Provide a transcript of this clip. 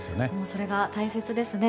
それが大切ですね。